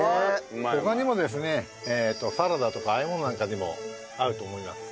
他にもですねサラダとかあえ物なんかにも合うと思います。